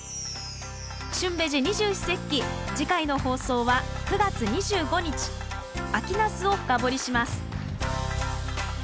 「旬ベジ二十四節気」次回の放送は９月２５日「秋ナス」を深掘りします。